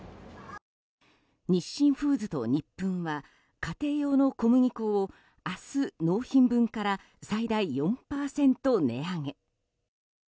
日清フーズとニップンは家庭用の小麦粉を明日、納品分から最大４％値上げ。